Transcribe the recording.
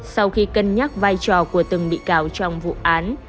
sau khi cân nhắc vai trò của từng bị cáo trong vụ án